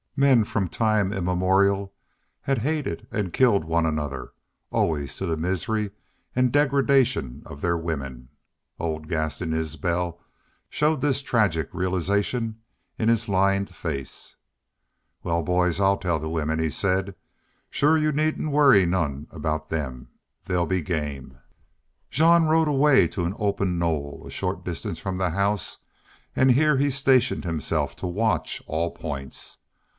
Men from time immemorial had hated, and killed one another, always to the misery and degradation of their women. Old Gaston Isbel showed this tragic realization in his lined face. "Wal, boys, I'll tell the women," he said. "Shore you needn't worry none aboot them. They'll be game." Jean rode away to an open knoll a short distance from the house, and here he stationed himself to watch all points.